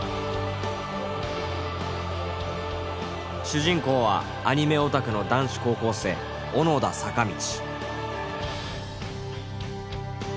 主人公はアニメオタクの男子高校生小野田坂道。